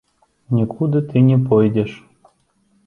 Нікуды ты не пойдзеш.